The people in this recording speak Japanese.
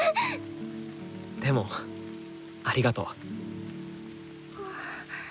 でもありがとう。